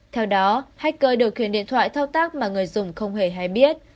theo đó hacker điều khiển điện thoại thao tác mà người dùng không hề hay biết